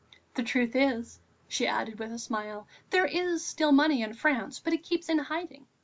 "The truth is," she added, with a smile, "there is still money in France, but it keeps in hiding."